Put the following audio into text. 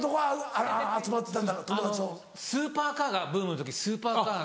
スーパーカーがブームの時スーパーカー。